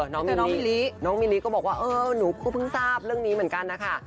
แต่น้องมิลิน้องมิลิก็บอกว่าเออหนูก็เพิ่งทราบเรื่องนี้เหมือนกันนะคะ